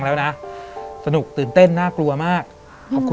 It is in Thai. แต่ขอให้เรียนจบปริญญาตรีก่อน